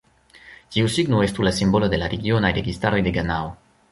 Tiu signo estu la simbolo de la regionaj registaroj de Ganao.